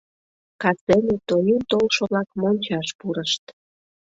Кастене тоен толшо-влак мончаш пурышт.